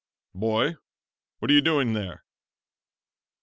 "Boy, what are you doing there?"